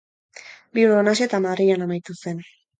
Bilbon hasi eta Madrilen amaitu zen.